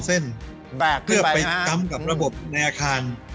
แบกขึ้นไปนะฮะเพื่อไปต้ำกับระบบในอาคาร